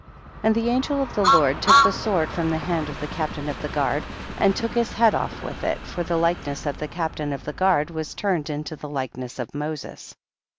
10. And the angel of the Lord took the sword from the hand of the captain of the guard, and took his head off with it, for the likeness of the captain of the guard was turned into the likeness of Moses.